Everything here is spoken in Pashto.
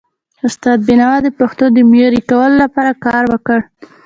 استاد بینوا د پښتو د معیاري کولو لپاره کار وکړ.